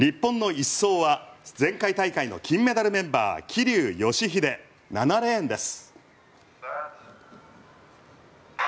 日本の１走は前回大会の金メダルメンバー桐生祥秀、７レーンです。